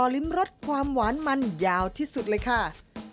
ริมรสความหวานมันยาวที่สุดเลยค่ะ